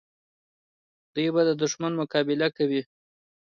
دوی به د دښمن مقابله کوي.